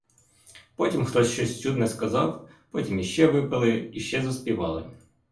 Потім хтось щось чудне розказав, потім іще випили, іще заспівали.